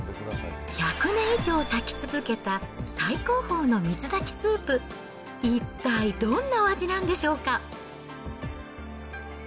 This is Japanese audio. １００年以上炊き続けた最高峰の水炊きスープ、一体どんなお味なんでしょうか？